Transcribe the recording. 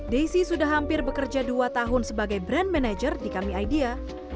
daisy sudah hampir bekerja dua tahun sebagai brand manager di kami idea